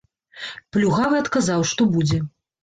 Плюгавы адказаў, што будзе.